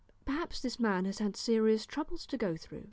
"Perhaps this man has had serious troubles to go through?"